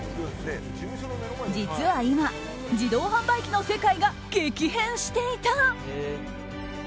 実は今、自動販売機の世界が激変していた。